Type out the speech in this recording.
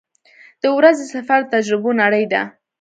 • د ورځې سفر د تجربو نړۍ ده.